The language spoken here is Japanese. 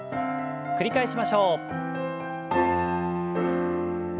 繰り返しましょう。